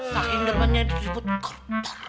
saking demennya diribut koruptor